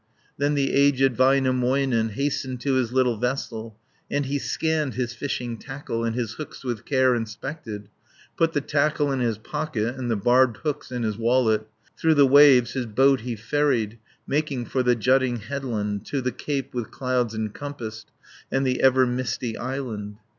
Then the aged Väinämöinen Hastened to his little vessel, And he scanned his fishing tackle, And his hooks with care inspected; Put the tackle in his pocket, And the barbed hooks in his wallet. 40 Through the waves his boat he ferried, Making for the jutting headland, To the cape, with clouds encompassed, And the ever misty island.